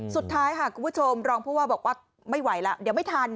สุดท้ายค่ะคุณผู้ชมรองผู้ว่าบอกว่าไม่ไหวแล้วเดี๋ยวไม่ทัน